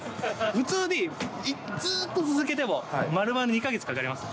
普通にずーっと続けても、まるまる２か月かかります。